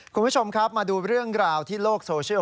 คุณผู้ชมครับมาดูเรื่องราวที่โลกโซเชียล